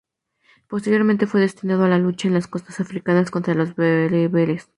Posteriormente fue destinado a la lucha en las costas africanas contra los bereberes.